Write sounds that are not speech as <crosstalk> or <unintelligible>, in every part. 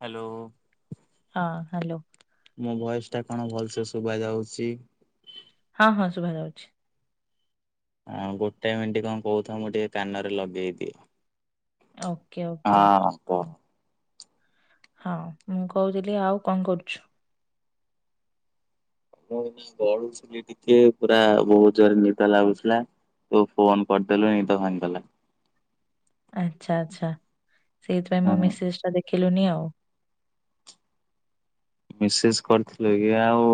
Hello. ହଁ hello. ମୋ voice ଟା କଣ ଭଲସେ ଶୁଭା ଯାଉଛି? ହଁ ହଁ ଶୁଭା ଯାଉଛି। ଆଁ ଗୋଟେ ମି଼ଣ୍ଟି କଣ କହୁଥାଅ ମୁଁ ଟିକେ କାନରେ ଲଗେଇଦିଏ। Okay okay. ହଁ କହ? ହଁ ହଁ ମୁଁ କହୁଥିଲି ଆଉ କଣ କରୁଛୁ? ମୁଁ ଏବେ ଗଡ଼ୁଥିଲି। <unintelligible> ଟିକେ ପୁରା ବହୁତ ଜୋରେ ନିଦ ଲାଗୁଥିଲା ତୁ ଫୋନ କରିଦେଲୁ ନିଦ ଭାଙ୍ଗିଗଲା। ଆଚ୍ଛା ଆଚ୍ଛା ସେଇଥିପାଇଁ ହଁ ମୋ ମେସେଜ ଟା ଦେଖିଲୁନି ଆଉ। ମେସେଜ କରିଥିଲୁ କି ଆଉ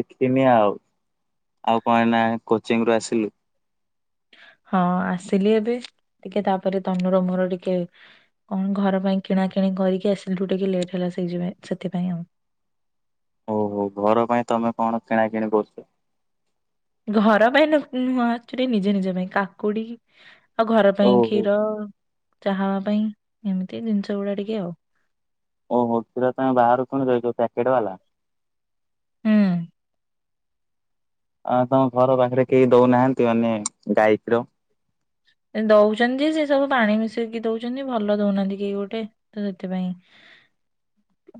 ଦେଖିନି ଆଉ। ଆଉ କଣ ଏଇନା କୋଚିଂ ରୁ ଆସିଲୁ? ହଁ ଆସିଲି ଏବେ ଟିକେ ତାପରେ ତମର ମୋର ଟିକେ କଣ ଘର ପାଇଁ କିଣା କିିଣି କରିକି ଆସିଲି ତ ଟିକେ ଲେଟ୍ ହେଲା ସେଇ ଯ ସେଥିପାଇଁ ଆଉ। ଓହୋ ଘର ପାଇଁ ତମେ କଣ କିଣାକିଣି କରୁଛ? ଘର ପାଇଁ ନୁହଁ ମୁଁ ଆକଚୁଆଲି ନିଜେ ନିଜ ପାଇଁ। କାକୁଡି ଆଉ ଘର ପାଇଁ ଓହୋ କ୍ଷୀର ଚାହା ହବା ପାଇଁ ଏମିତି ଜିନିଷ ଗୁଡା ଟିକେ ଆଉ। ଓ କ୍ଷୀର ତମେ ବାହାରୁ କିଣି ଦଉଛ ପକେଟ ବାଲା? ହଁ। ଆଁ ତମ ଘର ପାଖରେ କେହି ଦଉନାହାନ୍ତି ମାନେ ଗାଈ କ୍ଷୀର? ଦଉଛନ୍ତି ସେ ସବୁ ପାଣି ମିଶେଇକି ଦଉଛନ୍ତି ଭଲ ଦଉନାହାନ୍ତି କେହି ଗୋଟେ। ତ ସେଥିପାଇଁ।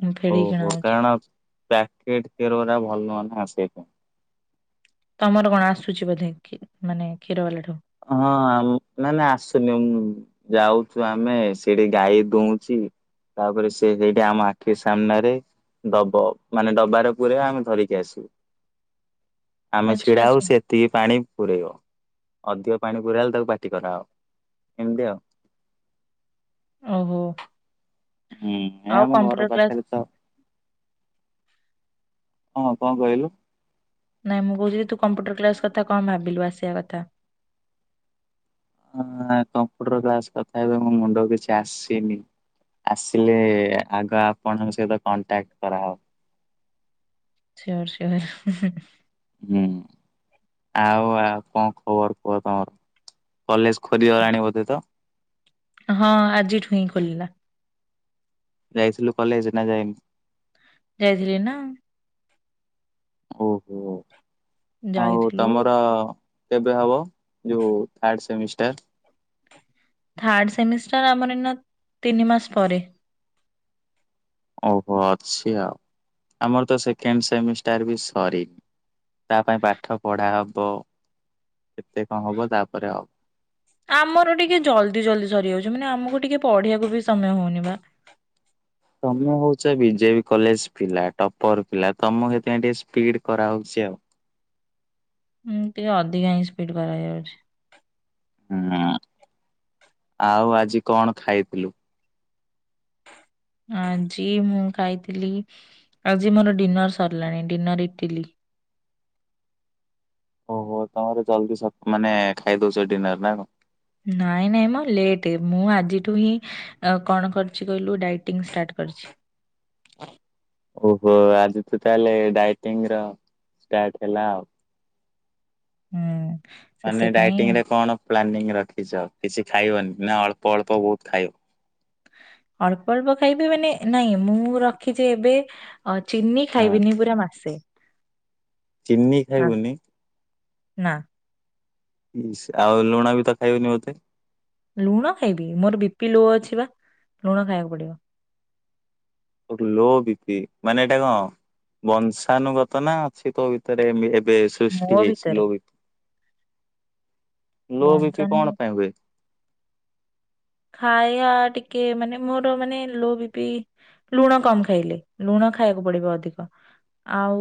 ଫେଡିକି କିଣା ଓହୋ ହଉଛି କାରଣ ପ୍ୟାକେଟ କ୍ଷୀର ଗୁରା ଭଲ ନୁହେଁ ନା ସେଇପାଇଁ। ତମର କଣ ଆସୁଛି ବୋଧେ କ ମାନେ କ୍ଷୀର ବାଲା ଠୁ। ହଁ ଆମ ନା ନା ଆସୁନି ମୁଁ ଯାଉଛୁ ଆମେ ସେଠି ଗାଈ ଦୁଂଚି। ତାପରେ ସେ ସେଇଠି ଆମ ଆଖି ସାମ୍ନାରେ ଦବ ମାନେ ଡବାରେ ପୁରେଇବ ଆମେ ଧରିକି ଆସିବୁ। ଆମେ ଆଚ୍ଛା ଛିଡା ହବୁ ଆଚ୍ଛା ସେ ଏତିକି ପାଣି ପୁରେଇବ। ଅଧିକ ପାଣି ପୁରା ହେଲେ ତାକୁ ପାଟି କରା ହବ। ଏମିତି ଆଉ ଓହୋ। ହୁଁ ଏ ଆଉ ଆମ ଘର କମ୍ପ୍ୟୁଟର କ୍ଲାସ ପାଖରେ ତ। ହଁ କଣ କହିଲୁ? ନାଇଁ ମୁଁ କହୁଥିଲି ତୁ କମ୍ପ୍ୟୁଟର କ୍ଲାସ କଥା କଣ ଭାବିଲୁ ଆସିବା କଥା? ହ କମ୍ପୁଟର କ୍ଲାସ୍ କଥା ହେବେ ମୋ ମୁଣ୍ଡ କିଛି ଆସିନି। ଆସିଲେ ଆଗ ଆପଣଙ୍କ ସହିତ କଣ୍ଟାକ୍ଟ କରା ହେବ। ସୋର ସୋର। ହୁଁ ଆଉ ଆଉ କଣ ଖବର କୁହ ତମର, କଲେଜ ଖୋଲି ଗଲାଣି ବୋଧେ ତ? ହଁ ଆଜିଠୁ ହିଁ ଖୋଲିଲା। ଯାଇଥିଲୁ କଲେଜ ନା ଯାଇନୁ? ଯାଇଥିଲି ନା। ଓହୋ ଆଉ ଯାଇଥିଲୁ ତମର କେବେ ହବ ଯୋଉ ଥାର୍ଡ ସେମିଷ୍ଟର? ଥାର୍ଡ ସେମିଷ୍ଟାର ଆମର ଇନା ତିନି ମାସ ପରେ। ଓହୋ ଅଛି ଆଉ। ଆମର ତ ସେକେଣ୍ଡ ସେମିଷ୍ଟାର ବି ସରିନି। ତା ପାଇଁ ପାଠ ପଢା ହବ କେତେ କଣ ହବ ତାପରେ ହବ। ଆମର ଟିକେ ଜଲ୍ଦି ଜଲ୍ଦି ସରିଯାଉଛି ମାନେ ଆମକୁ ଟିକେ ପଢେଇିବାକୁ ବି ସମୟ ହଉନି ବା। ତମେ ହଉଛ ବିଜେ ବି କଲେଜ ପିଲା। ଟପର ପିଲା ତମକୁ ସେଥିପାଇଁ ଟିକେ ସ୍ପିଡ କରାହଉଛି ଆଉ। ଉଁ ଟିକେ ଅଧିକା ହିଁ ସ୍ପିଡ କରା ଯାଉଛି। ହୁଁ ଆଉ ଆଜି କଣ ଖାଇଥିଲୁ? ଆଜି ମୁଁ ଖାଇଥିଲି ଆଜି ମୋର ଡିନର୍ ସରିଲାଣି ଡିନର ଇଟିଲି। ଓହୋ ତମର ଜଲଦି ସ ମାନେ ଖାଇଦଉଛ ଡିନର ନା କଣ? ନାଇଁ ନାଇଁ ମୋ ଲେଟ୍ ମୁଁ ଆଜିଠୁ ହିଁ ଅ କଣ କରିଛି କହିଲୁ ଡାଇଟିଂ ଷ୍ଟାର୍ଟ କରିଛି। ଓହୋ ଆଜି ତୁ ତାହେଲେ ଡାଇଟି ର ଷ୍ଟାର୍ଟ ହେଲା ଆଉ। ହୁଁ ମାନେ ସେଥିପାଇଁ ଡାଇଟିଂରେ କଣ ପ୍ଲାନିଂ ରଖିଛ କିଛି ଖାଇବନି ନା ଅଳ୍ପ ଅଳ୍ପ ବହୁତ ଖାଇ ଅଳ୍ପ ଅଳ୍ପ ଖାଇବି ମାନେ ନାଇଁ ମୁଁ ରଖିଚି ଏବେ ଅ ଚିନି ହଁ ଖାଇବିନି ପୁରା ମାସେ। ଚିନି ନା ଖାଇବୁନି? ନା। ଇସ ଆଉ ଲୁଣ ବି ତ ଖାଇବିନି ମତେ? ଲୁଣ ଖାଇବି ମୋର ବି ପି ଲୋ ଅଛି ବା ଲୁଣ ଖାଇଆକୁ ପଡିବ। କୋଉଠି ଲୋ ବି ପି ମାନେ ଏଇଟା କଣ ବଂଶାନୁଗତ ନା ଅଛି ତୋ ଭିତରେ ଏବେ ମୋ ସୃଷ୍ଟି ହେଇଛି ଭିତରେ ଲୋ ବି ଲୋ ବି ପି ବଞ୍ଚାଣ କଣ ପାଇଁ ହୁଏ? ଖାଇଆ ଟିକେ ମାନେ ମୋର ମାନେ ଲୋ ବି ପି ଲୁଣ କମ ଖାଇଲେ ଲୁଣ ଖାଇବାକୁ ପଡିବ ଅଧିକ ଆଉ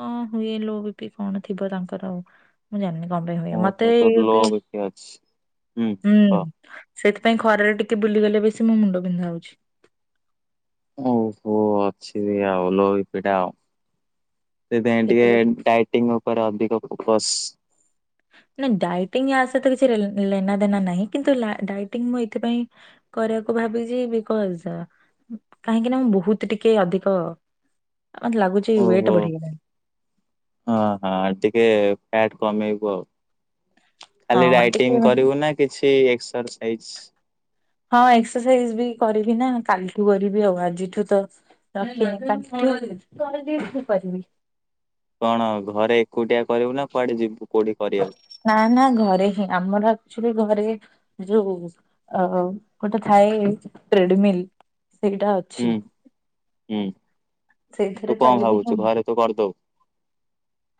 କଣ ହୁଏ ଲୋ ବି ପି କଣ ଥିବ ତାଙ୍କର ଆଉ। ମୁଁ ଜି କମ୍ ପାଇଁ ହ ମତେ ଓହୋ ତୋର ଲୋ ଏବି ବିପି ଅଛି ହୁଁ ସେଥିପାଇଁ ଖରାରେ ଟିକେ ବୁଲିଗଲେ ବେଶୀ ମୋ ମୁଣ୍ଡ ବିିନ୍ଧା ହୋଉଛି। ଓହୋ ଅଛି ବି ଆଉ ଲୋ ବି ପି ଟା ଆଉ। ସେଥିାଇଁ କେତେବେଳେ ଟିକେ ଡାଇଟିଂ ଉପରେ ଅଧିକ ଫୋକସ ନାଇଁ ଡାଇଟିଂ ୟା ସହିତ କିଛି ଲେନା ଦେନା ନାହିଁ କିନ୍ତୁ ଲା ଡାଇଟିଂ ମୁଁ ଏଥିପାଇଁ କରିବାକୁ ଭାବିଯି ବିକୋଜ଼ କାହିଁକି ନା ମୁଁ ବହୁତ ଟିକେ ଅଧିକ ମତେ ଲାଗୁଛି ୱେଟ ବଢିଗଲାଣି। ଓ ହଁ ଟିକେ ଫ୍ୟାଟ କମେଇବୁ ଆଉ। ଖାଲି ହଁ ଟିକେ ରାଇଟିଂ କରିବୁ ନା କିଛି ଏକ୍ରସାଇଜ ହଁ ଏକ୍ସରସାଇଜ ବି କରିବି ନା କାଲିଠୁ କରିବି ଆଉ ଆଜିଠୁ ତୋ <inaudible> କରିବି। କଣ ଘରେ ଏକୁଟିଆ କରିବୁ ନା କୁଆଡେ ଯିବୁ କୋଉଠି କରିବାକୁ? ନା ନା ଘରେ ହିଁ ଆମର ଆକ୍ଚୁଲି ଘରେ ଯୋଉ ଆଉ ଗୋଟେ ଥାଏ ଟ୍ରେଡମିଲ୍ ସେଇଟା ଅଛି। ହୁଁ ହୁଁ ସେଇଥିରେ ତୁ କଁ ଚାଲିଲେ ହିଁ ଭାବୁଚୁ ଘରେ ତୁ କରିଦବୁ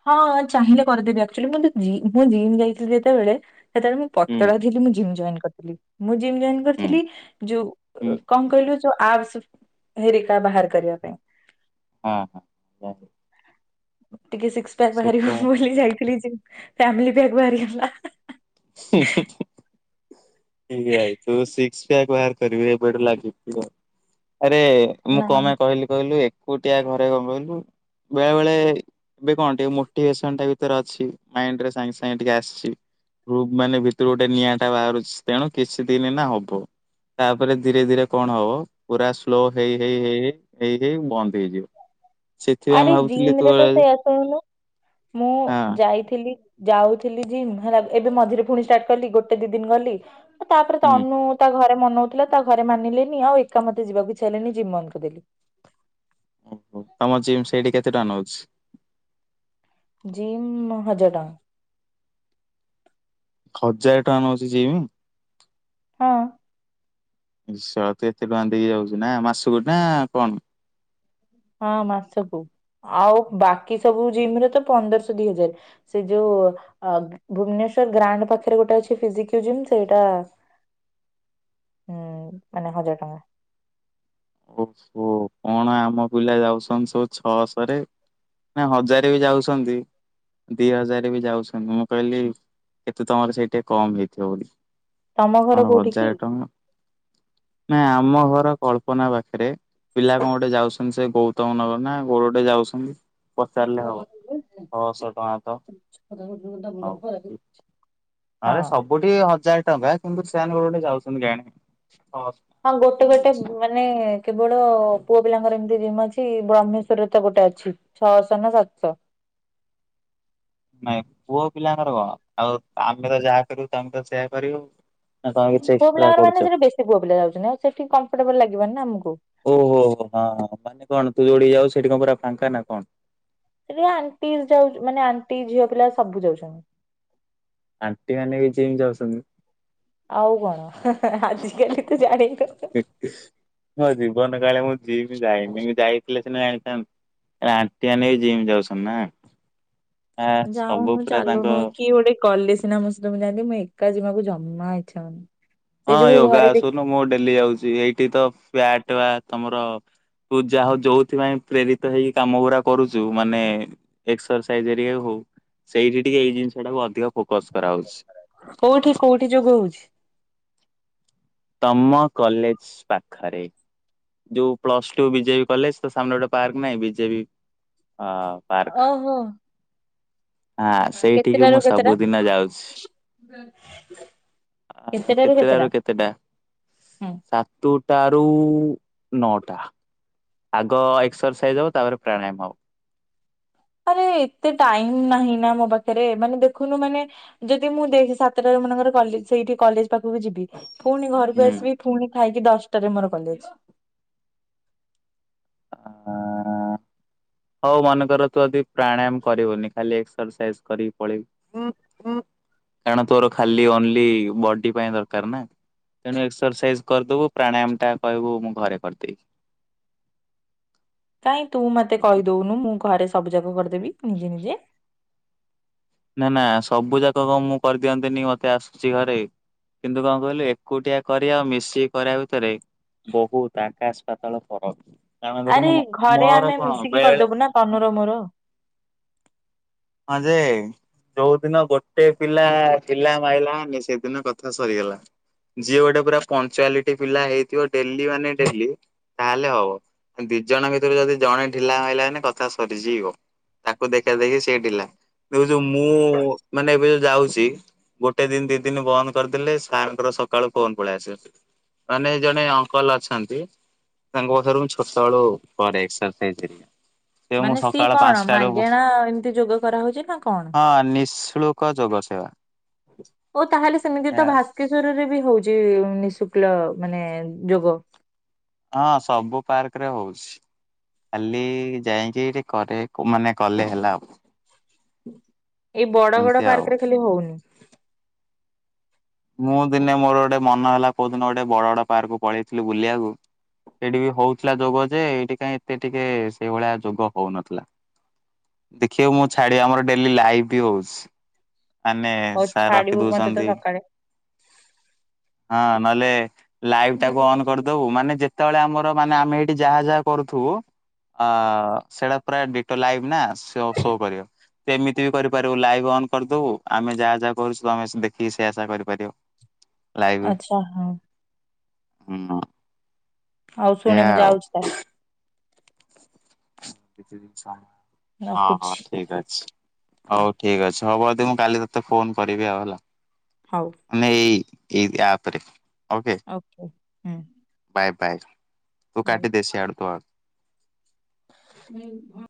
ହଁ ଚାହିଁଲେ କରିଦେବି ଆଚୁଆଲି ମୁଁ ଯି ମୁଁ ଜିମ୍ ଯାଇଥିଲି ଯେତେବେଳେ ହେତେବେଳେ ମୁଁ ହୁଁ ପତଳା ଥିଲି ମୁଁ ଜିମ ଜୈନ କରିଥିଲି ମୁ ଜିମ ଜୈନ ହୁଁ କରିଥିଲି ହୁଁ ଯୋଉ କଣ କହିଲୁ ଯୋଉ ଆର୍ସ ହେରିକା ବାହାର କରିବା ପାଇଁ। ହଁ ହଁ। ଟିକେ ସିକସ ପକ୍ ବାହାରିବ ସେଟା ବୋଲି ଯାଇଥିଲି ଜିମ ଫେମେଲୀ ପ୍ୟକ ବାହାରିଗଲା। ଇଭାଇ ତୁ ସିକ୍ସ ପ୍ୟାକ ବାହାର କରିବାକୁ କୁଆଡେ ଲାଗୁଥିବା ଆରେ ମୁଁ ନା କପାଇଁ କହିଲି କହିଲୁ କୋଉଟିଆ ଘରେ ଗମେଇଲୁ ବେଳେ ବେଳେ ଏବେ କଣ ଟିକେ ମୋଟିଭେସନ ଟା ଭିତରେ ଅଛି ମାଇଣ୍ଡ ରେ ସାଙ୍ଗେ ସାଙ୍ଗେ ଟିକେ ଆସିଚି ରୁଗ ମାନେ ଭିତରୁ ଗୋଟେ ନିଆଁଟା ବାହାରୁଛି ତେଣୁ କିଛି ଦିନ ଏଇନା ହବ। ତାପରେ ଧୀରେ ଧୀରେ କଣ ହବ ପୁରା ସ୍ଲୋ ହେଇ ହେଇ ହେଇ ହେଇ ଏଇ ହେଇ ବନ୍ଦ ହେଇଯିବ। ସେଥିପାଇଁ ଆରେ ମୁଁ ଭାବୁଥିଲି ଜିମ ତୁ ରେ ତ ହଁ ସେଇଆ ଶୁଣୁନୁ ମୁଁ ଯାଇଥିଲି ଯାଉଥିଲି ଜିମ ହେଲା ଏବେ ମଝିରେ ପୁଣି ଷ୍ଟାର୍ଟ କଲି ଗୋଟେ ଦି ଦିନ ଗଲି ତାପରେ ହୁଁ ତନୁ ତା ଘରେ ମନଉ ଥିଲା ତା ଘରେ ମାନିଲେନି ଆଉ ଏକା ମତେ ଯିବାକୁ ଇଚ୍ଛା ହେଲାନି ଜିମ ବନ୍ଦ କରିଦେଲି ହଉ ତମ ଜିମ ସେଇଠି କେତେ ଟଙ୍କା ନେଉଛି? ଜିମ୍ ହଜାର ଟଙ୍କା ହଜାର ଟଙ୍କା ନଉଛି ଜିମ୍ ହଁ ଇସ ଶଳା ତୁ ଏତେ ଟଙ୍କା ଦେଇକି ଯାଉଛୁ ନା ମାସ କୁ ନା କଣ ହଁ ମାସକୁ ଆଉ ବାକି ସବୁ ଜିମ ରେ ତ ପନ୍ଦରଶହ ଦି ହଜାର ସେ ଯୋଉ ଭୁବନେଶ୍ଵର ଗ୍ରାଣ୍ଡ ପାଖରେ ଗୋଟେ ଅଛିି ସେଇଟା ଫିସିକ୍ୟୁ ଜିମ ସେଇଟା ହୁଁ ମାନେ ହଜାର ଟଙ୍କା ଓ ହ କଣ ଆମ ପିଲା ଯାଉଛନ୍ତି ସବୁ ଛଅ ଶହ ରେ ନା ହଜାରେ ବି ଯାଉଛନ୍ତି ଦି ହଜାର ବି ଯାଉଛନ୍ତି ମୁଁ କହିଲି କେତେ ତମର ସେଇଠି କମ ହେଇଥିବ ବୋଲି ତମ ଘର ଆ କୋଉଠି କି ହଜାର ଟଙ୍କା ନାଇ ଆମ ଘର କଳ୍ପନା ବାକି ପାଖରେ ପିଲା କଣ ଗୋଟେ ଯାଉଛନ୍ତି ସେ ଗୌତମ ନଗର ନା କୋଉଠେ ଗୋଟେ ଯାଉଛନ୍ତି ପଚାରିଲେ ହେବ ଛଅଶହ ଟଙ୍କା ତ ହଉ ହ ଆରେ ସବୁଠି ହଜାର ଟଙ୍କା କିନ୍ତୁ ସେମାନେ ଗୋଟେ ଗୋଟେ ଯାଉଛନ୍ତି କେଜାଣି ହଁ ଗୋଟେ ଗୋଟେ ମାନେ କେବଳ ପୁଅ ପିଲାଙ୍କର ଏମିତି ଜିମ୍ ଅଛି ବ୍ରହ୍ମେଶ୍ଵରରେ ତ ଗୋଟେ ଅଛି ଛଅଶହ ନା ସାତଶହ ନାଇଁ ପୁଅ ପିଲାଙ୍କର କଣ ଆଉ ଆମେ ତ ଯାହା କରିବୁ ତମେ ତ ସେୟଆ କରିବୁ ନା ତମେ କିଛି ପୁଅ ଏକ୍ସଟ୍ରା ପିଲାଙ୍କର କରୁଛ ମାନେ ସେଠି ବେଶୀ ପୁଅ ପିଲା ଯାଉଛନ୍ତି ଆଉ ସେଠି କମ୍ଫୋରଟବଲ ଲାଗିବ ନା ଆମକୁ ଓହୋ ହୋ ହଁ ମାନେ କଣ ତୁ ଯୋଉଠି ଯାଉ ସେଠି କଣ ପୁରା ଫାଙ୍କା ନା କଣ? ଏ ଆଣ୍ଟି ଯାଉ ମାନେ ଆଣ୍ଟି ଝିଅ ପିଲା ସବୁ ଯାଉଛନ୍ତି। ଆଣ୍ଟି ମାନେ ବି ଜିମ ଯାଉଛନ୍ତି? ଆଉ କଣ ଆଜିକାଲି ତୁ ଜାଣିନୁ। ମୋ ଜୀବନ କାଳେ ମୁଁ ଜିମ ଯାଇନି କି ଯାଇ ଥିଲେ ସିନା ଯାଣିଥାନ୍ତି ଆଣ୍ଟି ମାନେ ବିି ଜିମି ଯାଉଛନ୍ତି ନା ଆ ସବୁ ଯାଉନୁ ପୁରା ତାଙ୍କ ଚାଲୁନୁ କି ଗୋଟେ କଲେ ସିନା ମୁ ସ ମୁଁ ଯାନ୍ତିନି ମୁଁ ଏକା ଯିବାକୁ ଜମା ଇଚ୍ଛା ହଉନି ସେଇ ହଁ ଯୋଗୁ ୟୋଗା ଘରେ ଦେଖ ଆସୁନୁ ମୁଁ ଡେଲି ଯାଉଛି ଏଇଠି ତ ଫ୍ୟାଟ ବା ତମର ତୁ ଯାହା ହଉ ଯୋଉଥିପାଇଁ ପ୍ରେରିତ ହେଇକି କାମ ଗୁଡା କରୁଛୁ ମାନେ ଏକ୍ସରସାଇଜ ଏରିୟା ହଉ ସେଇଠି ଟିକେ ଏଇ ଜିନିଷ ଟାକୁ ଅଧିକ ଫୋକସ କରାହଉଛି। କୋଉଠି କୋଉଠି ଯୋଗ ହଉଛି। ତମ କଲେଜ ପାଖରେ। ଯୋଉ plus two B J B college ତା ସାମନାରେ ଗୋଟେ ପାର୍କ ନାହିଁ ବି ଜେ ବି ଆ ଓହୋ। ହଁ ସେଇଠି କି କେତେଟାରୁ ମୁଁ କେତେଟା ସବୁ ଦିନ ଯାଉଛି। ଆଁ କେତେଟା ରୁ କେତେଟା? ହୁଁ। ସାତୁଟାରୁ ନଅଟା। ଆଗ ଏକ୍ସରସାଇଜ ହବ ତାପରେ ପ୍ରାଣାୟାମ ହବ। ଆରେ ଏତେ ଟାଇମ ନାହିଁ ନା ମୋ ପାଖରେ ମାନେ ଦେଖୁନୁ ମାନେ ଯଦି ମୁଁ ଦେଖ ସାତଟାରେ ମନେକର କଲେ ସେଇଠି କଲେଜ ପାଖକୁ ଯିବି। ପୁଣି ଘରକୁ ହୁଁ। ଆସିବି ପୁଣି ଖାଇକି ଦଶଟାରେ ମୋର କଲେଜ। ହଁ <unintelligible> ହଉ ମନେକର ତୁ ଯଦି ପ୍ରାଣୟାମ କରିବୁନି, ଖାଲି ଏକ୍ସରସାଇଜ କରିକି ପଳେଇବୁ କାରଣ ତୋର ଖାଲି ଓନ୍ଲି ବଡି ପାଇଁ ଦରକାର ନା। ତେଣୁ ଏକ୍ସରସାଇଜ କରିଦବୁ। ପ୍ରାଣାୟାମ ଟା କହିବୁ ମୁଁ ଘରେ କରିଦେଇଚି। କାଇଁ ତୁ ମତେ କହିଦଉନୁ। ମୁଁ ଘରେ ସବୁ ଯାକ କରିଦେବି ନିଜେ ନିଜେ। ନା ନା ସବୁ ଯାକ କଣ ମୁଁ କରିଦିଅନ୍ତିନି। ମତେ ଆଆସିଚି ଘରେ କିନ୍ତୁ କଣ କହିଲୁ ଏକୁଟିଆ କରିବା ଆଉ ମିଶିକି କରିବା ଭିତରେ ବହୁତ ଆକାଶ ପାତଳ ଫରକ। କାରଣ ଦେଖୁନୁ ଆରେ ମ- ଘରେ ମୋର ଆମେ କଣ ମିଶିକି ବେଳେ କରିଦବୁ ନା ବେଳେ ତନୁର ମୋର। ହଁ ଯେ ଯୋଉଦିନ ଗୋଟେ ପିଲା ପିଲା ମାଇଲାନି ସେଦିନ କଥା ସରିଗଲା। ଯିଏ ଗୋଟେ ପୁରା ପଞ୍ଚୁଆଲିଟି ପିଲା ହେଇଥିବ। ଡେଲି ମାନେ ଡେଲି ତାହାଲେ ହବ। ଦି ଜଣ ଭିତରୁ ଯଦି ଜଣେ ଢିଲା ମଇଲା ମାନେ କଥା ସରିଯିବ। ତାକୁ ଦେଖା ଦେଖି ସିଏ ଢିଲା। ଦେଖୁଚୁ ମୁଁ ମାନେ ଏବେ ଯୋଉ ଯାଉଚି ଗୋଟେ ଦିନ ଦି ଦିନ ବନ୍ଦ କରିଦେଲେ, ସାର କଁର ସକାଳୁ ଫୋନ ପଳେଇ ଆସିବ ସେଠୁ। ମାନେ ଜଣେ ଅଙ୍କଲ ଅଛନ୍ତି। ତାଙ୍କ ପାଖରୁ ମୁଁ ଛୋଟ ବେଳୁ କରେ ଏକ୍ସସରସାଇଜ ହରିକା। ମାନେ ସିଏ କଣ? ମାଗେଣା ଏମିତି ଯୋଗ କରାହେଉଛି ନା କଣ? ହଁ ନିଃଶୁଳ୍କ ଯୋଗ ସେବା। ଓ ତାହେଲେ ସେମିତି ତ ଏହା ଭାସ ବାକେଶଵରରେ ବି ହଉଛି ନିଃଶୁକ୍୍କ ମାନେ ଯୋଗ। <unintelligible> ହଁ ସବୁ ପାର୍କ ରେ ହଉଛି। ଖାଲି ଯାଇକି ଟିକେ କରେ ମାନେ କଲେ ହେଲା ଆଉ। ଏଇ ବଡ ବଡ ଏମିତି ଆଉ। ପାର୍କ ରେ ଖାଲି ହଉନି। ମୁଁ ଦିନେ ମୋର ଗୋଟେ ମନ ହେଲା କୋଉ ଦିନ ଗୋଟେ ବଡ ବଡ ପାର୍କକୁ ପଳେଇଥିଲି ବୁଲିବାକୁ ସେଇଠି ବି ହଉଥିଲା ଯୋଗ। ଯେ ଏଇଠି କାଇଁ ଏତେ ଟିକେ ସେଇଭଳିଆ ଯୋଗ ହଉନଥିଲା। ଦେଖିବ ମୁଁ ଛାଡିବି ଆମର ଡେଲି ଲାଇଭ ବି ହଉଚି। ମାନେ ହଉ ସାର୍ ରଖି ଛାଡିବୁ ମତେ ତ ଦଉଚନ୍ତି ସକାଳେ ହଁ ନହେଲେ ଲାଇଭ ଟାକୁ ଅନନ୍ କରିଦବୁ ମାନେ ଯେ ଯେତେବେଳେ ଆମର ମାନେ ଆମେ ଏଇଠି ଯାହା ଯାହା କରୁଥୁବୁ ଅ ସେଇଟା ପୁରା ଡିଟୋ ଲାଇଭ ନା ସୋ ସୋ କରିବ। ଏମିତି ବି କରିପାରିବୁ ଲାଇଭ୍ ଅନ୍ କରିଦବୁ। ଆମେ ଯାହା ଯାହା କରୁଚୁ ତମେ ଦେଖିକି ସେଇଆ ସେଇଆ କରିବ। ପାରିବୁ ଲାଇଭ ଆଚ୍ଛା ହଁ। ହଁ <unintelligible> ହଉ ଶୁଣୁ, ମୁୁ ଯାଉଛି ତାହାଲେ। ହଁ ହଁ ରଖୁଛି। ଠିକ ଅଛି। ହଉ ଠିକ୍ ଅଛି। ହବ ଯଦି ମୁଁ କାଲି ତତେ ଫୋନ କରିବି ଆଉ ହେଲା। ହଉ। ମାନେ ଏଇ ଏଇ ଆପ ରେ। ଓକେ। ଓକେ। ହୁଁ। Bye bye. ତୁ ବାଏ। କାଟି ଦେ ସିିଆଡ଼ୁ ତୋ ଆଡ଼ୁ। <unintelligible>